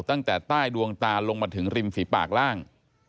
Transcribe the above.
ตั้งแต่ใต้ดวงตาลงมาถึงริมฝีปากล่าง